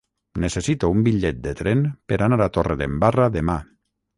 Necessito un bitllet de tren per anar a Torredembarra demà.